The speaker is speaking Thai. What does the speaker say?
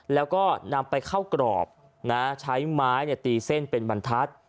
แล้วก็นำไปเข้ากรอบใช้ไม้ตีเส้นเป็นบรรทัศน์